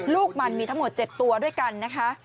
ลูกมันมีทั้งหมด๗ตัวด้วยกันนะคะ